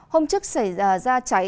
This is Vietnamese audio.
hôm trước xảy ra cháy